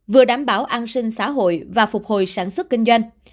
vừa đảm bảo an sinh xã hội và phục hồi sản xuất kinh doanh